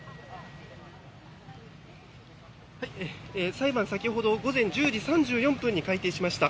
裁判先ほど午前１０時３４分に開廷しました。